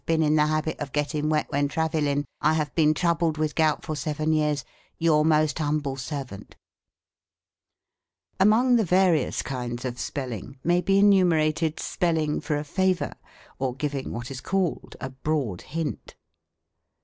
Bin in the habbel of Gettin wet when traviling i have Bin trubbeld with Gout for seven years " Your most humbel " Servent Among the various kinds of spelling may be enu merated spelling for a favor ; or giving what is called a broad hint.